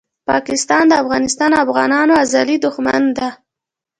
پاکستان دافغانستان او افغانانو ازلي دښمن ده